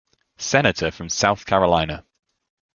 Senator from South Carolina.